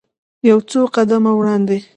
یو څو قدمه وړاندې.